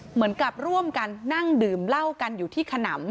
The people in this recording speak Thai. เหมือนกับร่วมกันนั่งดื่มเหล้ากันอยู่ที่ขนำ